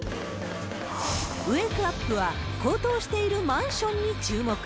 ウェークアップは、高騰しているマンションに注目。